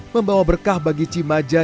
membawa berkah bagi cimaja